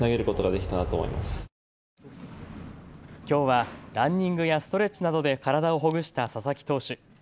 きょうはランニングやストレッチなどで体をほぐした佐々木投手。